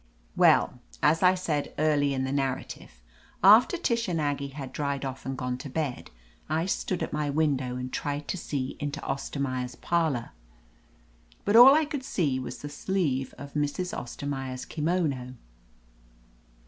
Well, as I said early in the narrative, after Tish and Aggie had dried off and gone to bed I stood at my window and tried to see into Ostermaier's parlor, but all I could see was the sleeve of Mrs. Ostermaier's kimono.